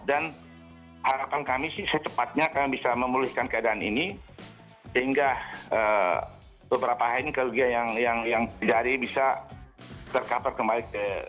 dan harapan kami secepatnya kami bisa memulihkan keadaan ini sehingga beberapa hal ini yang terjadi bisa terkabar kembali